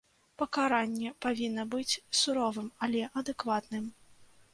Пакаранне павінна быць суровым, але адэкватным.